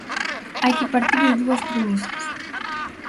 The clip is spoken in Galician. Hai que partir de dúas premisas.